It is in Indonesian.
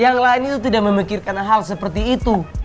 yang lain itu tidak memikirkan hal seperti itu